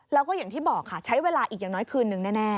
แล้วก็อย่างที่บอกค่ะใช้เวลาอีกอย่างน้อยคืนนึงแน่